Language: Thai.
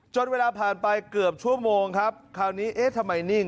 เวลาผ่านไปเกือบชั่วโมงครับคราวนี้เอ๊ะทำไมนิ่ง